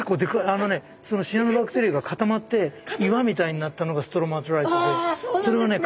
あのねそのシアノバクテリアが固まって岩みたいになったのがストロマトライトでそれはね